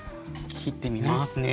切ってみますね。